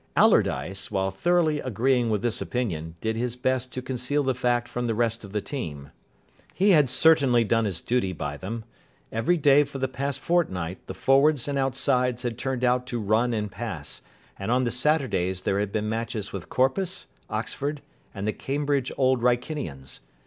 Allardyce, while thoroughly agreeing with this opinion, did his best to conceal the fact from the rest of the team. He had certainly done his duty by them. Every day for the past fortnight the forwards and outsides had turned out to run and pass, and on the Saturdays there had been matches with Corpus, Oxford, and the Cambridge Old Wrykinians.